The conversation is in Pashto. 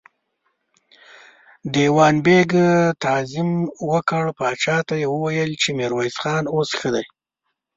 دېوان بېګ تعظيم وکړ، پاچا ته يې وويل چې ميرويس خان اوس ښه دی.